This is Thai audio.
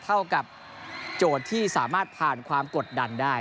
เท่ากับโจทย์ที่สามารถผ่านความกดดันได้